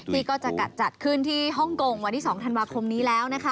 ก็จะจัดขึ้นที่ฮ่องกงวันที่๒ธันวาคมนี้แล้วนะคะ